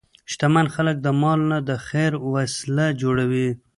شتمن خلک د مال نه د خیر وسیله جوړوي.